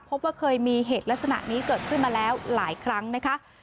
พบว่าเคยมีเหตุลักษณะนี้เกิดขึ้นมาแล้วหลายครั้งนะคะ